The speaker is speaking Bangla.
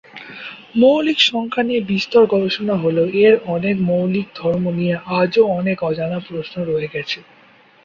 মৌলিক সংখ্যা নিয়ে বিস্তর গবেষণা হলেও এর অনেক মৌলিক ধর্ম নিয়ে আজও অনেক অজানা প্রশ্ন রয়ে গেছে।